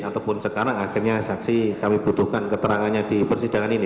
ataupun sekarang akhirnya saksi kami butuhkan keterangannya di persidangan ini